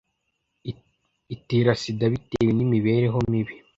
itera Sida bitewe n imibereho mibi